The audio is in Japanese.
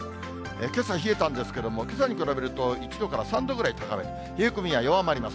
けさ、冷えたんですけども、けさに比べると１度から３度ぐらい高め、冷え込みは弱まります。